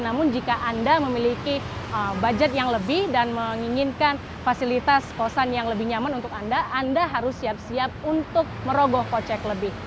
namun jika anda memiliki budget yang lebih dan menginginkan fasilitas kosan yang lebih nyaman untuk anda anda harus siap siap untuk merogoh kocek lebih